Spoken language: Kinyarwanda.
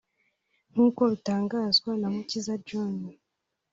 nk’uko bitangazwa na Mukiza John